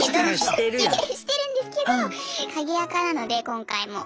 してるんですけど鍵アカなので今回も。